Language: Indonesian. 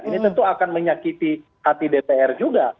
ini tentu akan menyakiti hati dpr juga